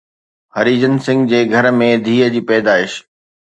هرڀجن سنگهه جي گهر ۾ ڌيءَ جي پيدائش